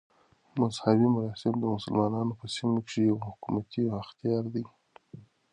مذهبي مراسم د مسلمانانو په سیمو کښي یو حکومتي اختیار دئ.